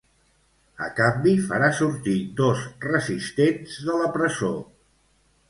A canvi, farà sortir dos resistents de la presó.